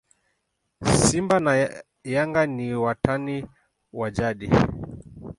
simba na yanga ni watani wa jadi